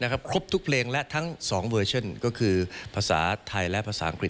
ครบทุกเพลงและทั้ง๒เวอร์ชั่นก็คือภาษาไทยและภาษาอังกฤษ